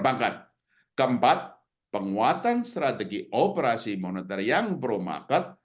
keempat penguatan strategi operasi moneter yang pro market